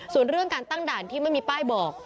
ส่วนเรื่องการตั้งด่านที่ไม่มีป้ายบอก